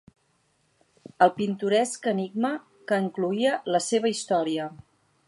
El pintoresc enigma que encloïa la seva història.